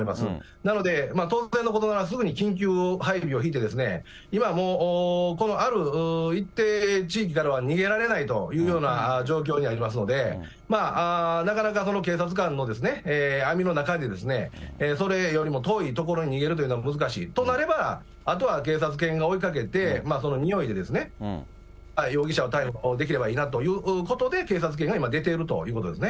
なので、当然のことながらすぐに緊急配備を引いて、今もうこのある一定地域からは逃げられないというような状況にはなりますので、なかなか警察官の網の中で、それよりも遠い所に逃げるというのは難しいとなれば、あとは警察犬が追いかけて、そのにおいでですね、容疑者を逮捕できればいいなということで、警察犬が今出ているということですね。